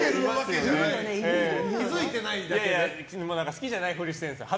好きじゃないふりしてるんですよ。